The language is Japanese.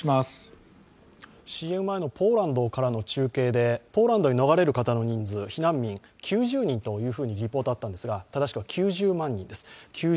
ＣＭ前のポーランドからの中継でポーランドへ逃れる方の避難民９０人というふうにリポートあったんですが正しくは９０万人です。